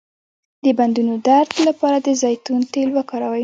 د بندونو درد لپاره د زیتون تېل وکاروئ